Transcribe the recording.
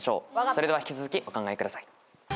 それでは引き続きお考えください。